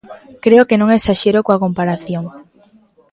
Creo que non esaxero coa comparación.